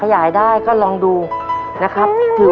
ภายในเวลา๓นาที